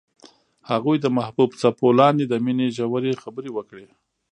هغوی د محبوب څپو لاندې د مینې ژورې خبرې وکړې.